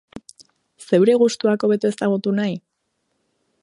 Zeure gustuak hobeto ezagutu nahi?